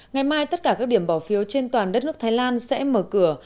ngày mai tất cả các điểm bỏ phiếu trên toàn đất nước thái lan sẽ mở cửa